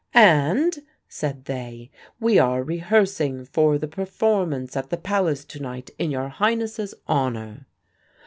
"And," said they, "we are rehearsing for the performance at the Palace to night in your Highnesses' honour."